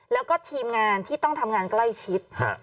แล้วก็ทีมงานที่ต้องทำงานใกล้ชิด